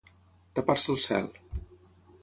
Tapar-se el cel.